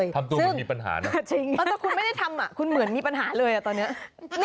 ทำตัวเหมือนมีปัญหานะถ้าคุณไม่ได้ทำอ่ะคุณเหมือนมีปัญหาเลยอ่ะตอนนี้